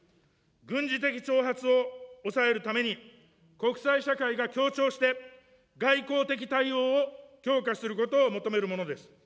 軍事的挑発を抑えるために、国際社会が協調して、外交的対応を強化することを求めるものです。